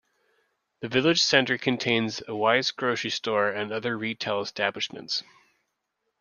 The village center contains a Weis grocery store and other retail establishments.